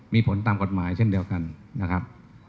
มีผลตามกฎหมายเช่นเดียวกันนะครับ